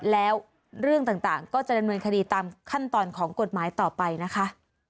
แล้วเรื่องต่างก็จะดำเนินคดีตามขั้นตอนของกฎหมายต่อไปนะคะ